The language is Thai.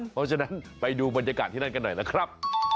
เพราะฉะนั้นไปดูบรรยากาศที่นั่นกันหน่อยนะครับ